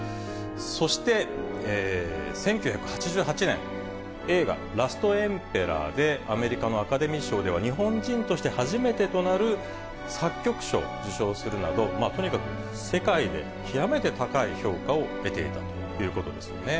そして１９８８年、映画、ラストエンペラーでアメリカのアカデミー賞では日本人として初めてとなる作曲賞を受賞するなど、とにかく世界で極めて高い評価を得ていたということですよね。